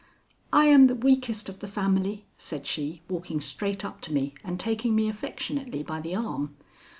"I am the weakest of the family," said she, walking straight up to me and taking me affectionately by the arm.